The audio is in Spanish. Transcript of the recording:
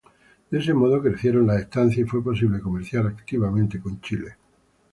De ese modo crecieron las estancias y fue posible comerciar activamente con Chile.